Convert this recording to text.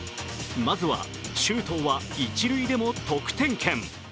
まずは、「周東は一塁でも得点圏」。